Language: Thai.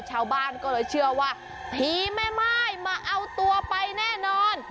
ชาวบ้านก็เลยเชื่อว่าผีแม่ม่ายมาเอาตัวไปแน่นอน